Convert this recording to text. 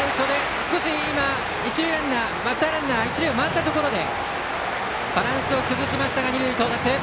バッターランナーが一塁を回ったところでバランスを崩しましたが二塁到達。